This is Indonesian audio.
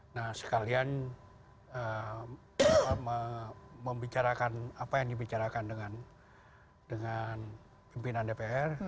nah sekalian membicarakan apa yang dibicarakan dengan pimpinan dpr